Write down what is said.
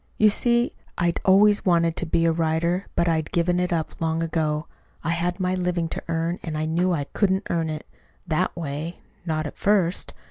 You see I'd always wanted to be a writer, but I'd given it up long ago. I had my living to earn, and I knew I couldn't earn it that way not at first.